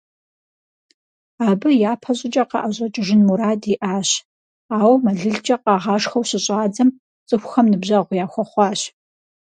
Абы япэщӀыкӀэ къаӀэщӀэкӀыжын мурад иӀащ, ауэ мэлылкӀэ къагъашхэу щыщӀадзэм, цӀыхухэм ныбжьэгъу яхуэхъуащ.